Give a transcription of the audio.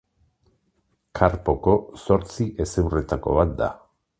Karpoko zortzi hezurretako bat da.